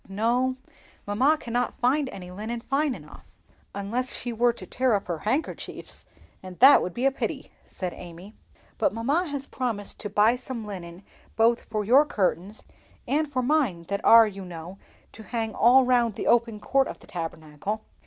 "No, mamma cannot find any linen fine enough, unless she were to tear up her handkerchiefs, and that would be a pity," said Amy. "But mamma has promised to buy some linen both for your curtains and for mine that are, you know, to hang all round the open court of the Tabernacle."